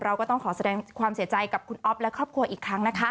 เราก็ต้องขอแสดงความเสียใจกับคุณอ๊อฟและครอบครัวอีกครั้งนะคะ